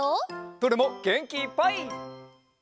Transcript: どれもげんきいっぱい！